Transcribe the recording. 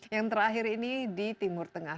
yang terakhir ini di timur tengah